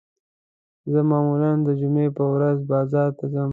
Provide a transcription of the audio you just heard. زه معمولاً د جمعې په ورځ بازار ته ځم